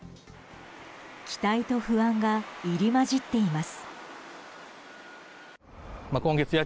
期待と不安が入り混じっています。